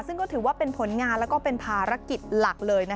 ซึ่งก็ถือว่าเป็นผลงานและเป็นภารกิจหลักเลย